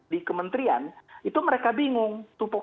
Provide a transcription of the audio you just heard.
di kementerian itu mereka bingung